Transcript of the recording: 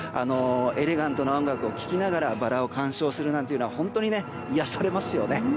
エレガントな音楽を聴きながらバラを鑑賞するのは本当に癒やされますよね。